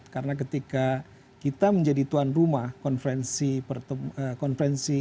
karena ketika kita menjadi tuan rumah konferensi